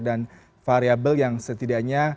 dan variable yang setidaknya